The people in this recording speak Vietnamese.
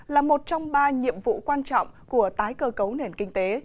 là một trong ba nhiệm vụ quan trọng của tái cơ cấu nền kinh tế